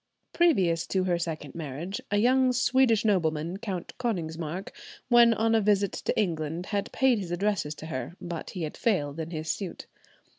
Previous to her second marriage, a young Swedish nobleman, Count Konigsmark, when on a visit to England, had paid his addresses to her, but he had failed in his suit.